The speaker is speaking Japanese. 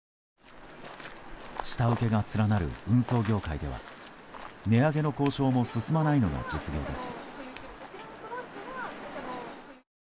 下請けが連なる運送業界では値上げの交渉も進まないのが実情です。